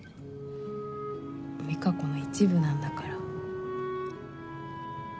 理香子の一部なんだから。